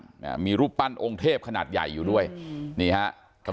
อ่ามีรูปปั้นองค์เทพขนาดใหญ่อยู่ด้วยอืมนี่ฮะกำ